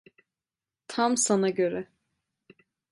Tam sana göre.